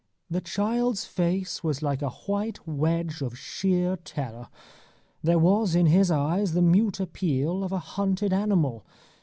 The child's face was like a white wedge of sheer terror. There was in his eyes the mute appeal of a hunted animal.